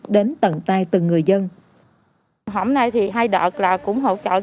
đến tận tay từng người dân